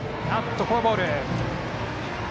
フォアボール。